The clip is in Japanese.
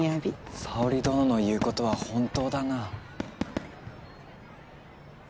沙織殿の言うことは本当だな。